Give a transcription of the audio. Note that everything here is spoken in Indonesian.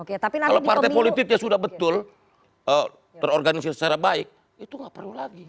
kalau partai politiknya sudah betul terorganisir secara baik itu nggak perlu lagi